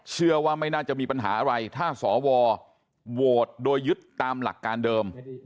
เชื่อว่าไม่น่าจะมีปัญหาอะไรถ้าสวโหวตโดยยึดตามหลักการเดิม